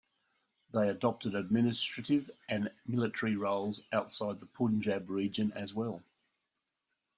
They adopted administrative and military roles outside the Punjab region as well.